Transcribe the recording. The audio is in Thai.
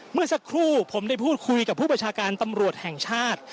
เมื่อสักครู่ผมได้พูดคุยกับผู้ประชาการตำรวจแห่งชาติ